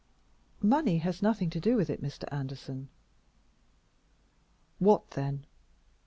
"Money has nothing to do with it, Mr. Anderson." "What, then?